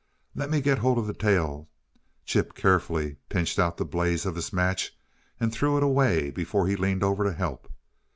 "Let me get hold of the tail." Chip carefully pinched out the blaze of his match and threw it away before he leaned over to help.